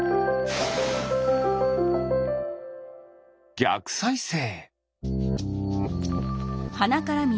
ぎゃくさいせい。